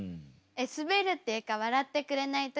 えっスベるっていうか笑ってくれない時は？